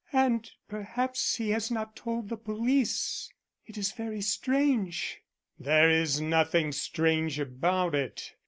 "And perhaps he has not told the police. It is very strange." "There is nothing strange about it.